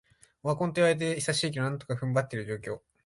オワコンと言われて久しいけど、なんとか踏ん張ってる状況